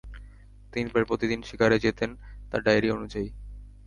তিনি প্রায় প্রতিদিন শিকারে যেতেন, তার ডায়েরি অনুযায়ী।